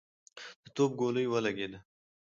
د توپ ګولۍ ولګېده.